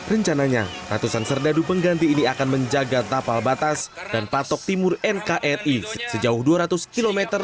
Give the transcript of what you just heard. rencananya ratusan serdadu pengganti ini akan menjaga tapal batas dan patok timur nkri sejauh dua ratus km